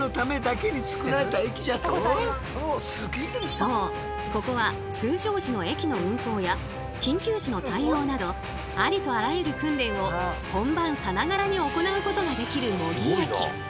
そうここは通常時の駅の運行や緊急時の対応などありとあらゆる訓練を本番さながらに行うことができる模擬駅。